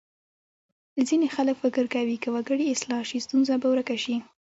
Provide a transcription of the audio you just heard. ځینې خلک فکر کوي که وګړي اصلاح شي ستونزه به ورکه شي.